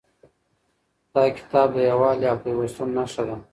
دا کتاب د یووالي او پیوستون نښه ده.